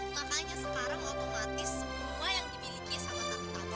makanya sekarang otomatis semua yang dibiliki sama tante tante